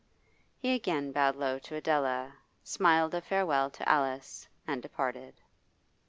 He again bowed low to Adela, smiled a farewell to Alice, and departed.